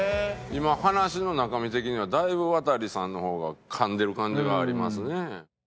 今話の中身的にはだいぶワタリさんの方がかんでる感じがありますね。